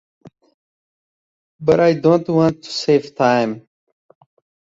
But I don't want to save time.